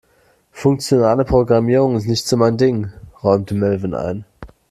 Funktionale Programmierung ist nicht so mein Ding, räumte Melvin ein.